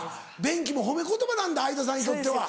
便器も褒め言葉なんだ相田さんにとっては。